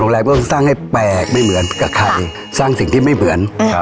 โรงแรมก็ต้องสร้างให้แปลกไม่เหมือนกับใครสร้างสิ่งที่ไม่เหมือนครับ